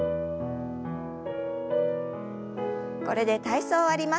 これで体操を終わります。